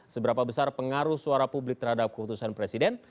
seberapa besar pengaruh suara publik terhadap keputusan presiden